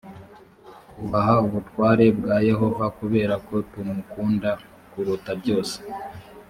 twubaha ubutware bwa yehova kubera ko tumukunda kuruta byose